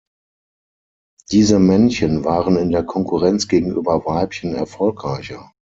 Diese Männchen waren in der Konkurrenz gegenüber Weibchen erfolgreicher.